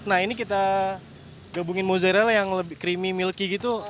nah ini kita gabungin mozzarella yang lebih creamy milky gitu